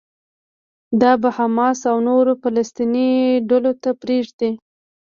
دا به حماس او نورو فلسطيني ډلو ته پرېږدي.